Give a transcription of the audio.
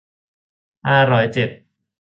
ห้าร้อยเจ็ด